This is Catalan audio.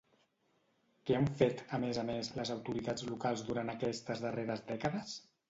Què han fet, a més a més, les autoritats locals durant aquestes darreres dècades?